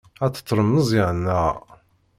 Ad tettrem Meẓyan, naɣ?